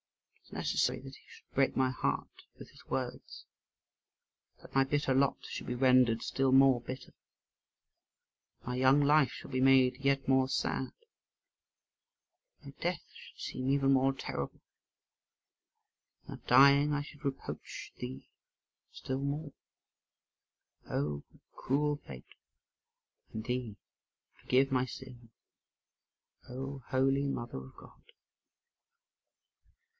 It was necessary that he should break my heart with his words; that my bitter lot should be rendered still more bitter; that my young life should be made yet more sad; that my death should seem even more terrible; and that, dying, I should reproach thee still more, O cruel fate! and thee forgive my sin O holy mother of God!"